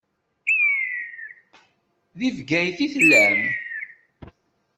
Deg Bgayet i tellam.